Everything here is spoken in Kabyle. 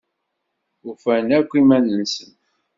Ufan akk iman-nsen.